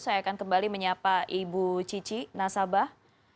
saya akan kembali menyapa ibu cici nasabah